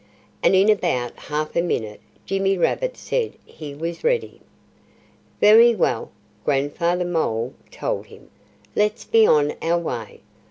And in about half a minute Jimmy Rabbit said he was ready. "Very well!" Grandfather Mole told him. "Let's be on our way!